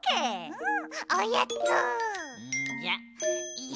うん！